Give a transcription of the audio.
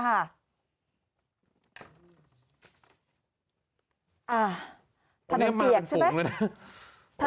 อ่าถนนเปียกใช่ไหม